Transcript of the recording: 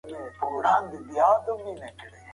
که صنعتي انقلاب نه وای سوی، ټولنپوهنه به نه وای.